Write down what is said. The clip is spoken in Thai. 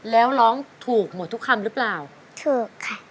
แล้วร้องถูกหมดทุกคำหรือเปล่าถูกค่ะ